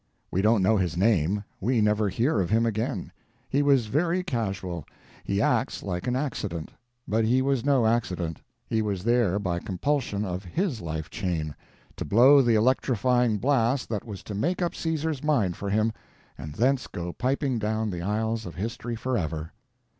We don't know his name, we never hear of him again; he was very casual; he acts like an accident; but he was no accident, he was there by compulsion of HIS life chain, to blow the electrifying blast that was to make up Caesar's mind for him, and thence go piping down the aisles of history forever.